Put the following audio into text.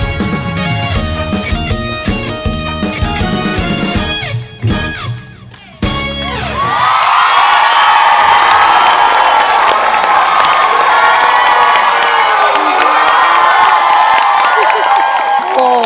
อ๋อทุกครับ